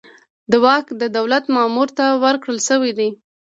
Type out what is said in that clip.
دا واک د دولت مامور ته ورکړل شوی دی.